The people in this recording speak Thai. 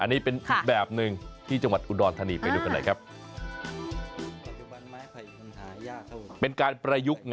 ก็ต้องใส่ข้าวแล้วก็เอาไปปิ้ง